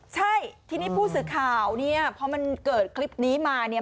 ใช่ทีนี้ผู้สื่อข่าวเนี่ยพอมันเกิดคลิปนี้มาเนี่ย